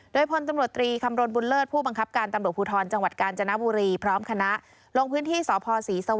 โดยพลตำรวจตรีคำรณบุญเลิศผู้บังคับการตำรวจภูทรจังหวัดกาญจนบุรีพร้อมคณะลงพื้นที่สพศรีสวร